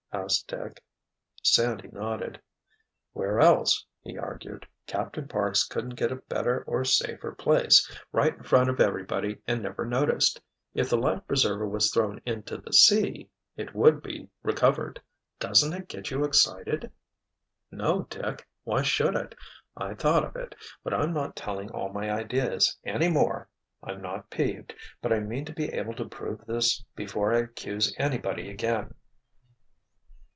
asked Dick. Sandy nodded. "Where else?" he argued. "Captain Parks couldn't get a better or safer place, right in front of everybody and never noticed. If the life preserver was thrown into the sea—it would be recovered." "Doesn't it get you excited?" "No, Dick! Why should it? I thought of it. But I'm not telling all my ideas, any more. I'm not 'peeved,' but I mean to be able to prove this before I accuse anybody again."